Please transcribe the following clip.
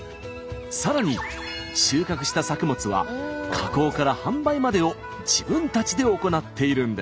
さらに収穫した作物は加工から販売までを自分たちで行っているんです。